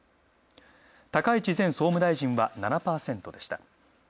高市前総務大臣は７％でした。